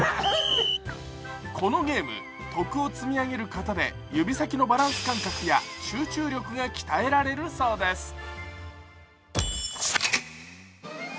このゲーム、徳を積み上げることで指先のバランス感覚や集中力が鍛えられるそうです。